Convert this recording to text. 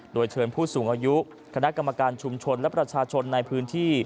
โดยเชิญผู้สูงอายุคณะกรรมการชุมชนและประชาชนในพื้นที่